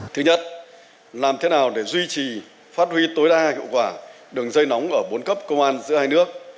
thứ nhất làm thế nào để duy trì phát huy tối đa hiệu quả đường dây nóng ở bốn cấp công an giữa hai nước